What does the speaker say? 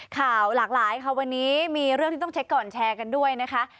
ข่าวหลากหลายค่ะวันนี้มีเรื่องที่ต้องเช็คก่อนแชร์กันด้วยนะคะ